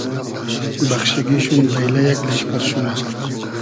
بئخشیگی شوم بݷلۂ یئگ لیشپئر شونۂ